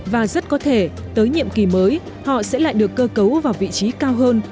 và rất có thể tới nhiệm kỳ mới họ sẽ lại được cơ cấu vào vị trí cao hơn